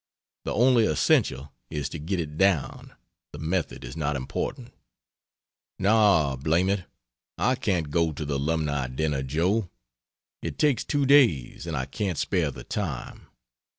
The only essential is to get it down, the method is not important. No, blame it, I can't go to the Alumni dinner, Joe. It takes two days, and I can't spare the time.